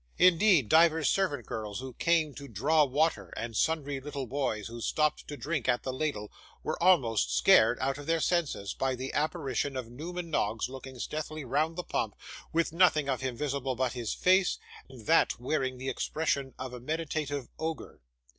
Indeed, divers servant girls who came to draw water, and sundry little boys who stopped to drink at the ladle, were almost scared out of their senses, by the apparition of Newman Noggs looking stealthily round the pump, with nothing of him visible but his face, and that wearing the expression of a meditative Ogre.